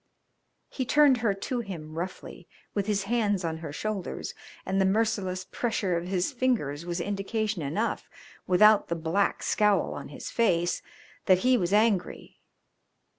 He turned her to him roughly, with his hands on her shoulders, and the merciless pressure of his fingers was indication enough without the black scowl on his face that he was angry.